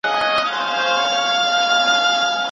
ما ته خدای وو دا وړیا نغمت راکړی